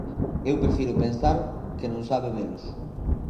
Eu prefiro pensar que non sabe velos.